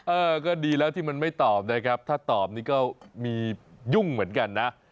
เออก็ดีแล้วที่มันไม่ตอบนะครับถ้าตอบนี่ก็มียุ่งเหมือนกันนะ